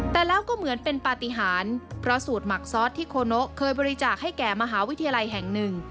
แต่แล้วก็เหมือนเป็นปฏิหารเพราะสูตรหมักซอสที่โคโนะเคยบริจาคให้แก่มหาวิทยาลัยแห่งหนึ่ง